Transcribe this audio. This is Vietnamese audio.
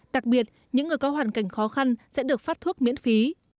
đặc biệt những người có hoàn cảnh khó khăn sẽ được phát thuốc miễn phí